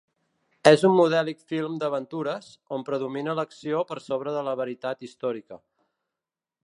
És un modèlic film d'aventures, on predomina l'acció per sobre de la veritat històrica.